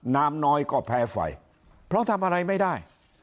น้ำน้อยก็แพ้ไฟเพราะทำอะไรไม่ได้